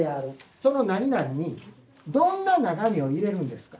そのなになににどんな中身を入れるんですか？